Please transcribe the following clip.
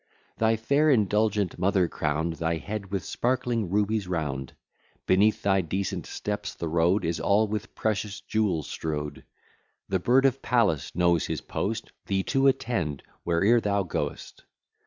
Thy fair indulgent mother crown'd Thy head with sparkling rubies round: Beneath thy decent steps the road Is all with precious jewels strew'd, The bird of Pallas, knows his post, Thee to attend, where'er thou goest.